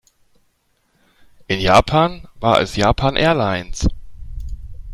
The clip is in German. In Japan war es Japan Airlines.